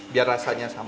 biar rasanya sama